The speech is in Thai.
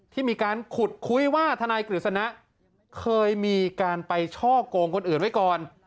ที่มีการขุดคุยว่าทนายกฤษณะเคยมีการไปช่อกงคนอื่นไว้ก่อน